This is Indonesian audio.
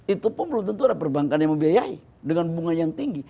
itu pun belum tentu ada perbankan yang membiayai dengan bunga yang tinggi